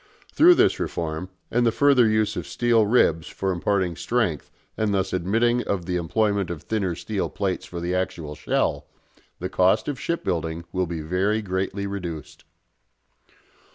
Through this reform, and the further use of steel ribs for imparting strength and thus admitting of the employment of thinner steel plates for the actual shell, the cost of shipbuilding will be very greatly reduced.